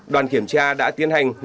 đoàn kiểm tra đã tiến hành